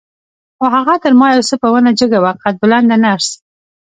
خو هغه تر ما یو څه په ونه جګه وه، قد بلنده نرس.